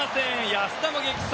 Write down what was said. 安田の激走！